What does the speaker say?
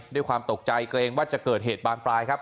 ด้วยความตกใจเกรงว่าจะเกิดเหตุบานปลายครับ